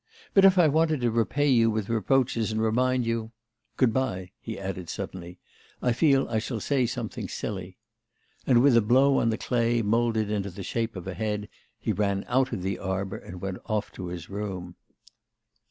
But if I wanted to repay you with reproaches and remind you... Good bye,' he added suddenly, 'I feel I shall say something silly.' And with a blow on the clay moulded into the shape of a head, he ran out of the arbour and went off to his room.